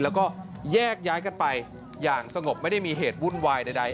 แล้วก็แยกย้ายกันไปอย่างสงบไม่ได้มีเหตุวุ่นวายใด